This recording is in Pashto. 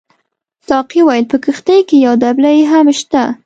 ساقي وویل په کښتۍ کې یو دبلۍ هم شته.